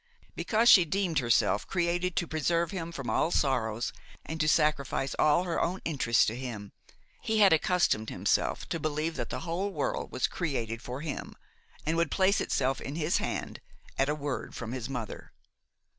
Because she deemed herself created to preserve him from all sorrows and to sacrifice all her own interests to him, he had accustomed himself to believe that the whole world was created for him and would place itself in his hand at a word from his mother.